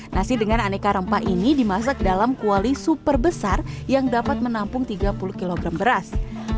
nasi dengan aneka rempah ini dimasak dalam kuali super besar yang dapat menampung tiga puluh kg beras